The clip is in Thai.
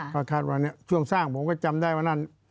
ก็คาดว่าช่วงสร้างผมก็จำได้ว่านั่น